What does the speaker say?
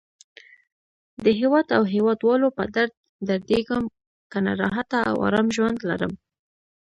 د هیواد او هیواد والو په درد دردېږم. کنه راحته او آرام ژوند لرم.